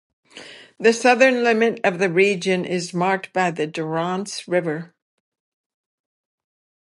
The southern limit of the region is marked by the Durance river.